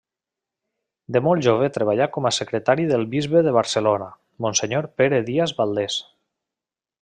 De molt jove treballà com a secretari del bisbe de Barcelona, Monsenyor Pere Díaz Valdés.